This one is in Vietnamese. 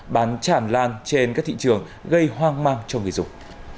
bán chản lan trên các thị trường gây hoang mang cho người dùng